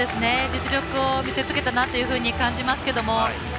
実力を見せつけたなというふうに感じますけども。